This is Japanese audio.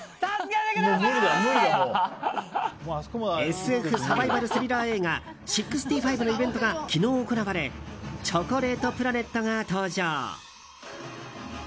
ＳＦサバイバルスリラー映画「６５／シックスティ・ファイブ」のイベントが昨日行われチョコレートプラネットが登場。